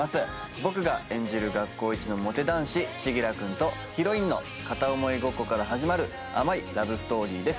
僕が演じる学校一のモテ男子千輝くんとヒロインの片想いごっこから始まる甘いラブストーリーです